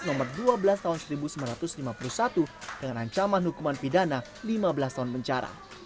nomor dua belas tahun seribu sembilan ratus lima puluh satu dengan ancaman hukuman pidana lima belas tahun penjara